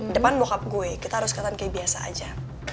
depan bokap gue kita harus keliatan kayak biasa aja